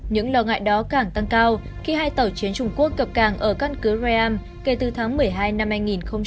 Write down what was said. những lo ngại đó càng tăng cao khi hai tàu chiến trung quốc cập càng ở căn cứ ream kể từ tháng một mươi hai năm hai nghìn hai mươi ba